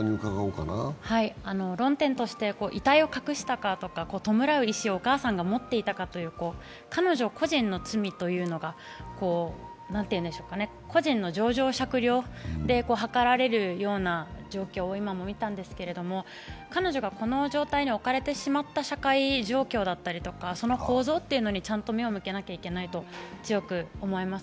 論点として遺体を隠したかとか、弔う意思をお母さんが持っていたかという、彼女個人の罪というのが個人の情状酌量ではかられるような状況を今も見たんですけども、彼女がこの状態に置かれてしまった社会構造だとか、その構造というのに、ちゃんと目を向けなければいけないと強く思います。